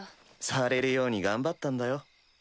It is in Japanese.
されるように頑張ったんだよ。